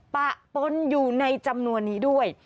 ปะปนอยู่ในจำนวนนี้ด้วย